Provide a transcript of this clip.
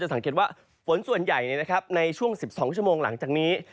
สังเกตว่าฝนส่วนใหญ่ในช่วง๑๒ชั่วโมงหลังจากนี้